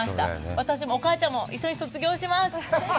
私も、お母ちゃんも一緒に卒業します。